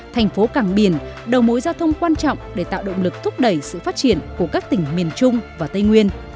thành phố cảng biển đầu mối giao thông quan trọng để tạo động lực thúc đẩy sự phát triển của các tỉnh miền trung và tây nguyên